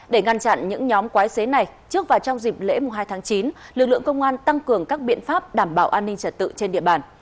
để ngăn chặn những nhóm quái xế này trước và trong dịp lễ hai tháng chín lực lượng công an tăng cường các biện pháp đảm bảo an ninh trật tự trên địa bàn